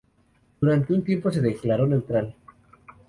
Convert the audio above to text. Durante un tiempo se declaró neutral.